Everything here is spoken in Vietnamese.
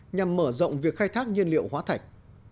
nhằm mở rộng việc khai thác nhiên liệu hóa thạch